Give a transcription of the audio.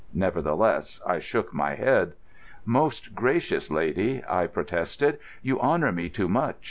Nevertheless, I shook my head. "Most gracious lady," I protested, "you honour me too much.